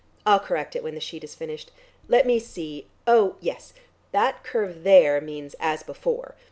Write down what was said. I'll correct it when the sheet is finished. Let me see; oh, yes, that curve there means 'as before.'